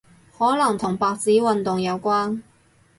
可能同白紙運動有關